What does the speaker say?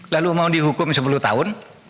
lalu mau dihukum sepuluh tahun